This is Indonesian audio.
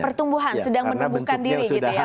pertumbuhan sedang menumbuhkan diri gitu ya